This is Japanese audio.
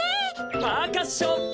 パーカッション！